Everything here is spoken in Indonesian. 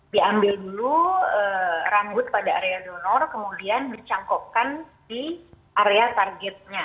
diambil dulu rambut pada area donor kemudian dicangkokkan di area targetnya